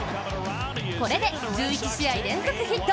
これで１１試合連続ヒット。